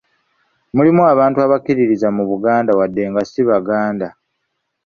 Mulimu abantu abakkiririza mu Buganda wadde nga si baganda .